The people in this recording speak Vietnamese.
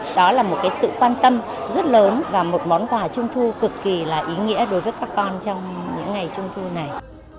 đó là một sự quan tâm rất lớn và một món quà trung thu cực kỳ là ý nghĩa đối với các con trong những ngày trung thu này